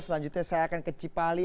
selanjutnya saya akan ke cipali